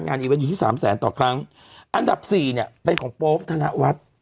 อีเวนต์อยู่ที่สามแสนต่อครั้งอันดับสี่เนี่ยเป็นของโป๊ปธนวัฒน์